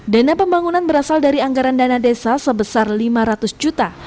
dana pembangunan berasal dari anggaran dana desa sebesar lima ratus juta